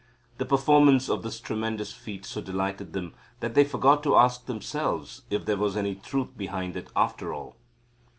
The performance of his tremendous feat so delighted them that they forgot to ask themselves if there was any truth behind it after all.